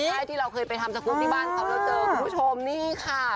ใช่ที่เราเคยไปทำสกรูปที่บ้านเขาแล้วเจอคุณผู้ชมนี่ค่ะ